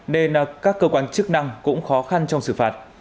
nên các cơ quan chức năng cũng khó khăn trong xử phạt